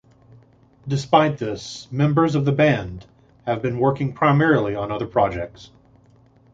Despite this, members of the band have been working primarily on other projects.